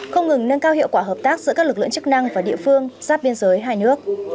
không ngừng nâng cao hiệu quả hợp tác giữa các lực lượng chức năng và địa phương giáp biên giới hai nước